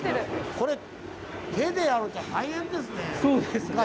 これ手でやると大変ですね昔ね。